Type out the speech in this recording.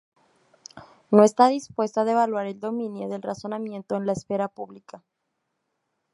No está dispuesto a devaluar el dominio del razonamiento en la esfera pública.